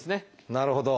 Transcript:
なるほど。